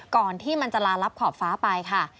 ก่อนที่มันจะลาลับขอบฟ้าไปค่ะ